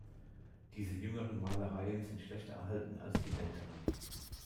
Diese jüngeren Malereien sind schlechter erhalten als die älteren.